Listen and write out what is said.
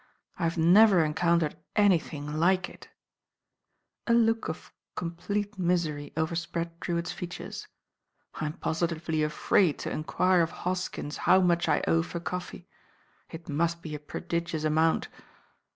I have never encountered anyfhing hke It A look of complete mi, ery overspread Drewitt's feature, 'Tm positively afraid to en quire of Hoskms how much I owe for coffee It must be a prodigious amount.